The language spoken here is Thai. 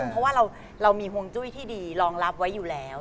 เพราะว่าเรามีห่วงจุ้ยที่ดีรองรับไว้อยู่แล้ว